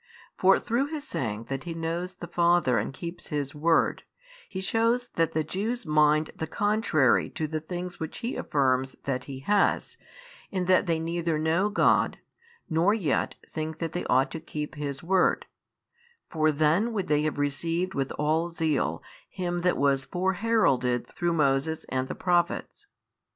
For through His saying that He knows the Father and keeps His word, He shews that the Jews mind the contrary to the things which He affirms that He has, in that they neither know God, nor yet think that they ought to keep His word: for then would they have received with all zeal Him that was foreheralded through Moses and the Prophets.